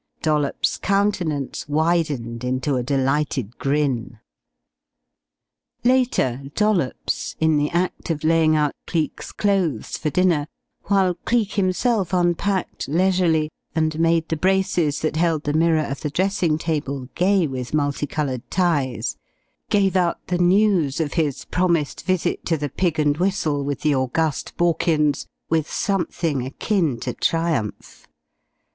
Dollops' countenance widened into a delighted grin. Later, Dollops, in the act of laying out Cleek's clothes for dinner, while Cleek himself unpacked leisurely and made the braces that held the mirror of the dressing table gay with multi coloured ties, gave out the news of his promised visit to the Pig and Whistle with the august Borkins with something akin to triumph.